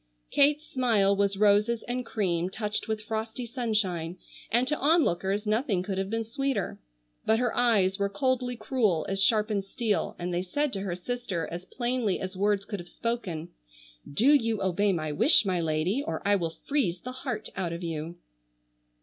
Kate's smile was roses and cream touched with frosty sunshine, and to onlookers nothing could have been sweeter. But her eyes were coldly cruel as sharpened steel, and they said to her sister as plainly as words could have spoken: "Do you obey my wish, my lady, or I will freeze the heart out of you."